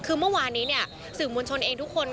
คือเมื่อวานนี้เนี่ยสื่อมวลชนเองทุกคน